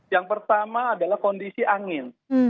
yang pertama adalah kondisi angin